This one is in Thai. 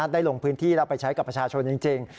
ลงพื้นที่แล้วไปใช้กับประชาชนจริง